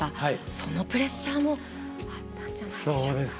そのプレッシャーもあったんじゃないでしょうか。